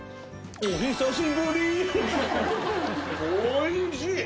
おいしい！